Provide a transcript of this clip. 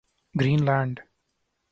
green land